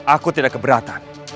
aku tidak keberatan